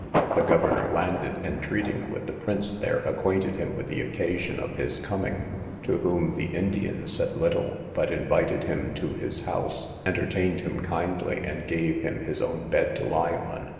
The governor landed, and treating with the prince there, acquainted him with the occasion of his coming, to whom the Indian said little, but invited him to his house, entertained him kindly, and gave him his own bed to lie on.